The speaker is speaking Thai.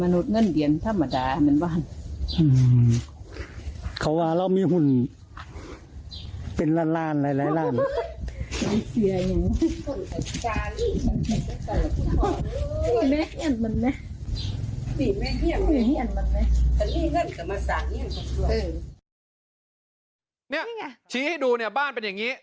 เนี่ยชี้ให้ดูเนี่ยบ้านเป็นยังงี้